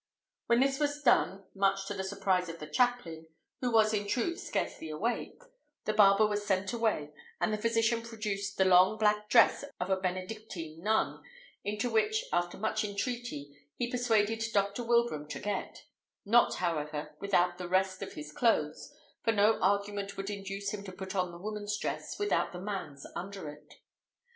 When this was done, much to the surprise of the chaplain, who was in truth scarcely awake, the barber was sent away, and the physician produced the long black dress of a Benedictine nun, into which, after much entreaty, he persuaded Dr. Wilbraham to get; not, however, without the rest of his clothes, for no argument would induce him to put on the woman's dress without the man's under it.